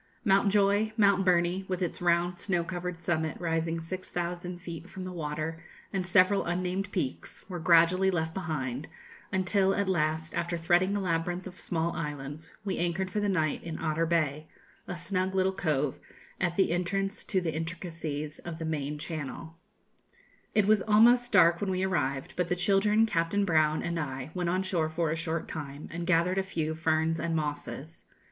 Mount Joy, Mount Burney, with its round snow covered summit, rising six thousand feet from the water, and several unnamed peaks, were gradually left behind; until, at last, after threading a labyrinth of small islands, we anchored for the night in Otter Bay, a snug little cove, at the entrance to the intricacies of the Mayne Channel. [Illustration: Glaciers. Snowy Sound.] It was almost dark when we arrived, but the children, Captain Brown, and I, went on shore for a short time, and gathered a few ferns and mosses.